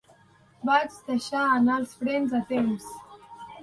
Vaig deixar anar els frens a temps.